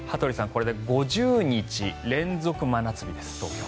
これで５０日連続真夏日です。